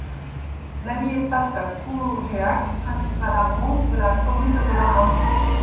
L'Allier passe à Cougeac, principal hameau de la commune de Lamothe.